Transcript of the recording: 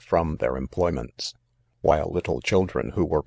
from their employ ments j while little children, who were.